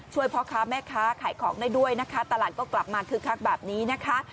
พ่อค้าแม่ค้าขายของได้ด้วยนะคะตลาดก็กลับมาคึกคักแบบนี้นะคะ